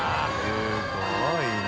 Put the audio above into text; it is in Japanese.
すごいな。